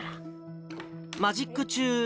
マジック中。